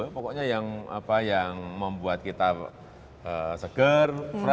pokoknya yang membuat kita seger